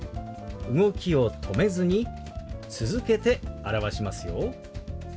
動きを止めずに続けて表しますよ。